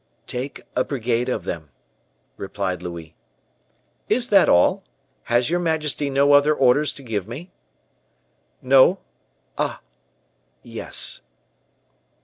"Take a brigade of them," replied Louis. "Is that all? Has your majesty no other orders to give me?" "No ah yes."